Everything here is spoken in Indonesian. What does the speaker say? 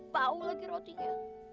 bau lagi rotinya